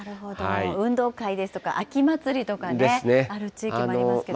運動会ですとか、秋祭りとかね、ある地域もありますけど。